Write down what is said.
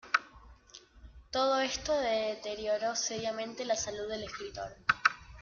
Todo esto deterioró seriamente la salud del escritor.